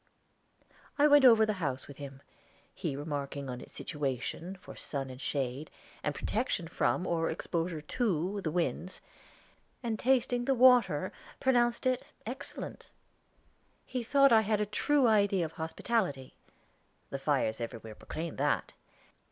I went over the house with him, he remarking on its situation, for sun and shade, and protection from, or exposure to, the winds; and tasting the water, pronounced it excellent. He thought I had a true idea of hospitality; the fires everywhere proclaimed that.